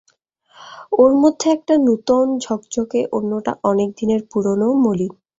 ওর মধ্যে একটা নূতন ঝকঝকে অন্যটা অনেক দিনের পুরোনো, মলিন।